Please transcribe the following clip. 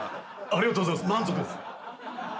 ありがとうございます。